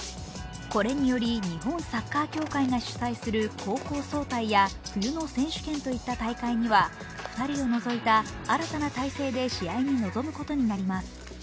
これにより日本サッカー協会が主催する高校総体や冬の選手権といった大会には２人を除いた新たな体制で試合に臨むことになります。